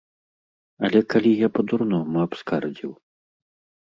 Але калі я па-дурному абскардзіў?